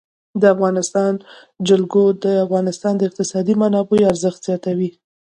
د افغانستان جلکو د افغانستان د اقتصادي منابعو ارزښت زیاتوي.